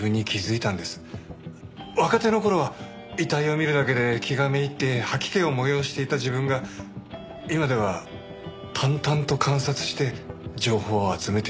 若手の頃は遺体を見るだけで気が滅入って吐き気を催していた自分が今では淡々と観察して情報を集めている。